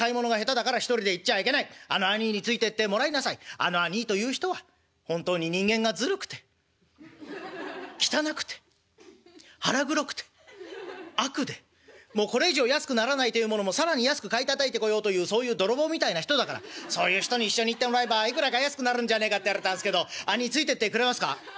あの兄いという人は本当に人間がずるくて汚くて腹黒くて悪でもうこれ以上安くならないというものも更に安く買いたたいてこようというそういう泥棒みたいな人だからそういう人に一緒に行ってもらえばいくらか安くなるんじゃねえか』って言われたんですけど兄いついてってくれますか？」。